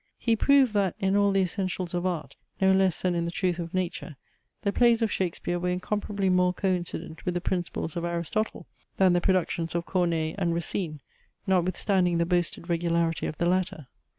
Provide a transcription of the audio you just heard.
He proved, that, in all the essentials of art, no less than in the truth of nature, the Plays of Shakespeare were incomparably more coincident with the principles of Aristotle, than the productions of Corneille and Racine, notwithstanding the boasted regularity of the latter.